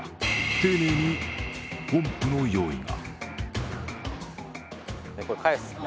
丁寧にポンプの用意が。